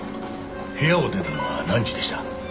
部屋を出たのは何時でした？